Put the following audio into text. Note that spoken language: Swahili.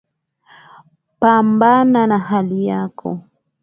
Pambana na hali yako